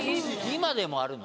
今でもあるの？